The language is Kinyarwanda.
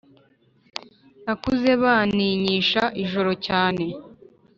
Nakuze baninyisha ijoro cyane